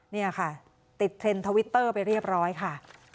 นี่ค่ะติดเทรนด์ทวิตเตอร์ไปเรียบร้อยค่ะ